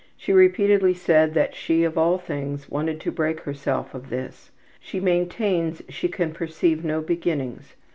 She repeatedly said that she, of all things, wanted to break herself of this. She maintains she can perceive no beginnings.